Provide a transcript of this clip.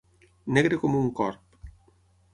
Negre com un corb.